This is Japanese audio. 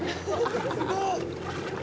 すごっ！